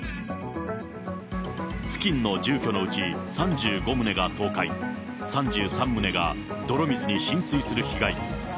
付近の住居のうち、３５棟が倒壊、３３棟が泥水に浸水する被害。